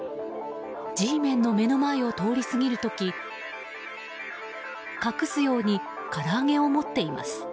Ｇメンの目の前を通り過ぎる時隠すようにから揚げを持っています。